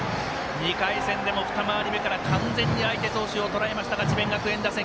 ２回戦でも２回り目から完全に相手投手をとらえましたが智弁学園打線